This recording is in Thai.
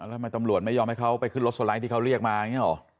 แล้วทำไมตำรวจไม่ยอมให้เขาไปขึ้นรถสไลด์ที่เขาเรียกมาอย่างนี้หรอ